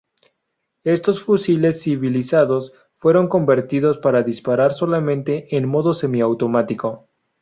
Estos fusiles "civilizados" fueron convertidos para disparar solamente en modo semiautomático.